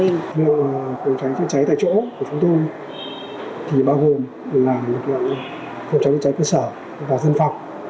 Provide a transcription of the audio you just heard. lực lượng phòng cháy chữa cháy tại chỗ của chúng tôi thì bao gồm là lực lượng phòng cháy chữa cháy cơ sở và dân phòng